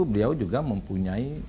beliau juga mempunyai